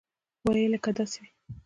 ویل یې که داسې وي.